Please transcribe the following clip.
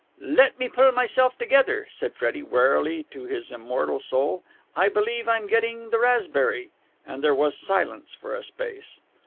"Let me pull myself together!" said Freddie warily to his immortal soul. "I believe I'm getting the raspberry!" And there was silence for a space.